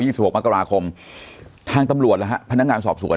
สิบหกมกราคมทางตำรวจและฮะพนักงานสอบสวน